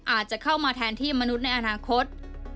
อาจจะเข้ามาแทนที่มนุษย์ในอนาคต